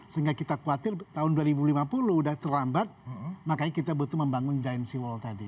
sehingga kita khawatir tahun dua ribu lima puluh sudah terlambat makanya kita butuh membangun giant sea wall tadi